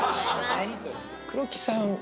黒木さん。